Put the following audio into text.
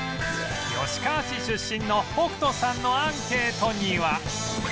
吉川市出身の北斗さんのアンケートには